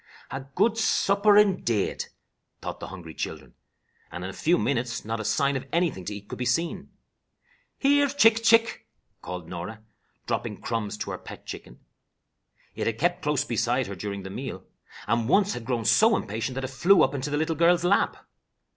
"A good supper, indade," thought the hungry children, and in a few minutes not a sign of anything to eat could be seen. "Here chick! chick!" called Norah, dropping crumbs to her pet chicken. It had kept close beside her during the meal, and once had grown so impatient that it flew up into the little girl's lap.